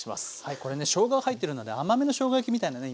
これねしょうがが入ってるので甘めのしょうが焼きみたいなね